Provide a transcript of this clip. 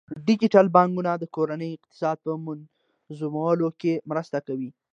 ډیجیټل بانکوالي د کورنۍ اقتصاد په منظمولو کې مرسته کوي.